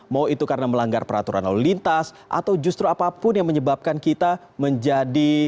mau itu karena melanggar peraturan lalu lintas atau justru apapun yang menyebabkan kita menjadi